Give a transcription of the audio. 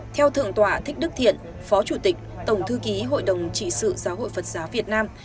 theo thượng tọa thích đức thiện phó chủ tịch tổng thư ký hội đồng trị sự giáo hội phật giáo việt nam